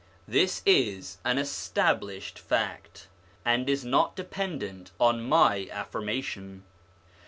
This is an established fact, and is not dependent on my affirmation.